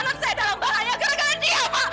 candy itu enggak salah apa apa ma